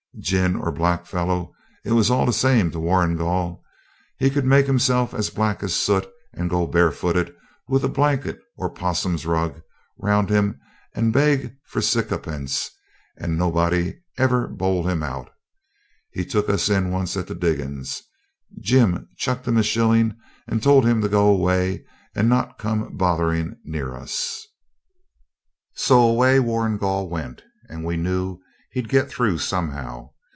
Gin or blackfellow, it was all the same to Warrigal. He could make himself as black as soot, and go barefooted with a blanket or a 'possum rug round him and beg for siccapence, and nobody'd ever bowl him out. He took us in once at the diggings; Jim chucked him a shilling, and told him to go away and not come bothering near us. So away Warrigal went, and we knew he'd get through somehow.